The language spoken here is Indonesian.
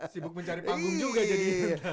sibuk mencari panggung juga jadi